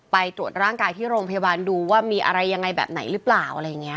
ไปตรวจร่างกายที่โรงพยาบาลดูว่ามีอะไรยังไงแบบไหนหรือเปล่าอะไรอย่างนี้